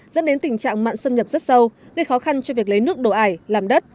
dẫn đến tình trạng mạng xâm nhập rất sâu gây khó khăn cho việc lấy nước đổ ải làm đất